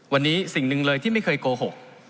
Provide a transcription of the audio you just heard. วันนี้สิ่งหนึ่งเลยที่ไม่เคยโกหก